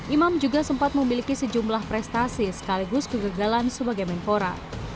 imam juga sempat memiliki sejumlah prestasi sekaligus kegagalan sebagai menpora